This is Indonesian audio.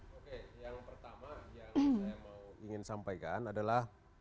oke yang pertama yang saya mau ingin sampaikan adalah